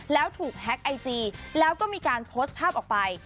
แล้วถูกแฮ็กไอจีแล้วก็มีการโพสต์ภาพออกไป